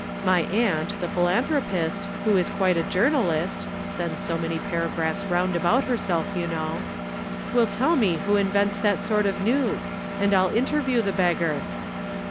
My aunt, the philanthropist, who is quite a journalist (sends so many paragraphs round about herself, you know), will tell me who invents that sort of news, and I'll interview the beggar."